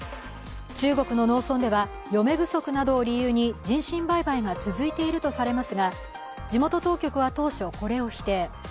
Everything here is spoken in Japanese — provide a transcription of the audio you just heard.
中国の農村では嫁不足などを理由に人身売買が続いているとされますが地元当局は当初、これを否定。